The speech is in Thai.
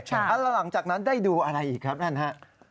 ใช่นี่หรือหลังจากนั้นได้ดูอะไรอีกครับแน่นป้า